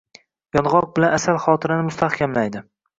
Yong‘oq bilan asal xotirani mustahkamlaydi.